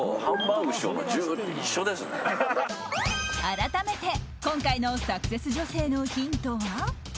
改めて、今回のサクセス女性のヒントは。